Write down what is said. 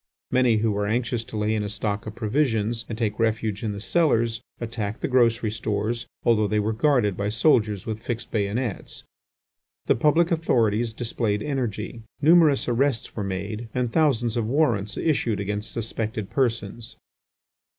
Many who were anxious to lay in a stock of provisions and take refuge in the cellars, attacked the grocery stores, although they were guarded by soldiers with fixed bayonets. The public authorities displayed energy. Numerous arrests were made and thousands of warrants issued against suspected persons.